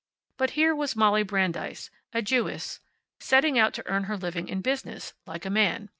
But here was Molly Brandeis, a Jewess, setting out to earn her living in business, like a man.